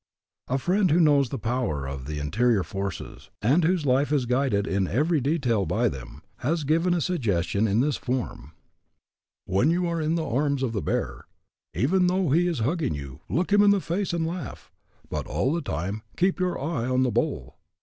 A friend who knows the power of the interior forces, and whose life is guided in every detail by them, has given a suggestion in this form: When you are in the arms of the bear, even though he is hugging you, look him in the face and laugh, but all the time keep your eye on the bull.